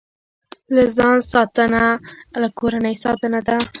له ځان ساتنه، له کورنۍ ساتنه ده.